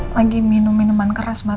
lagi minum minuman keras mbak